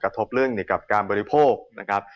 กระทบเรื่องกับการบริโภคนะครับ